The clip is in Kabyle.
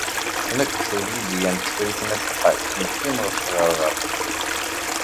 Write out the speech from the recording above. Nekk d Lidya n Tifrit n At Lḥaǧ neqqim ɣef tɣerɣert.